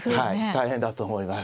大変だと思います。